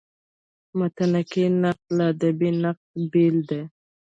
متني نقد له ادبي نقده بېل دﺉ.